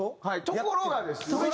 ところがですね。